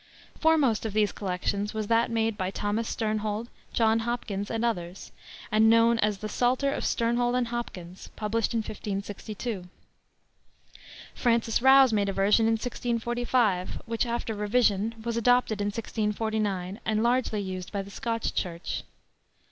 Foremost of these collections was that made by Thomas Sternhold, John Hopkins, and others, and known as the Psalter of Sternhold and Hopkins, published in 1562. Francis Rouse made a version in 1645, which, after revision, was adopted in 1649, and largely used by the Scotch Church.